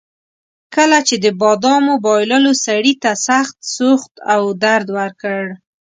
کله چې د بادامو بایللو سړي ته سخت سوخت او درد ورکړ.